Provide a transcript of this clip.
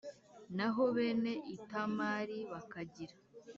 naho bene Itamari bakagira